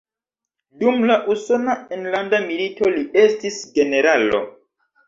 Dum la Usona Enlanda Milito li estis generalo.